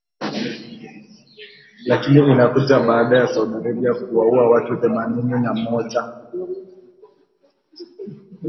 lakini inakuja baada ya Saudi Arabia kuwaua watu themanini na moja